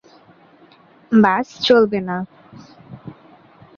বাস চলবে না!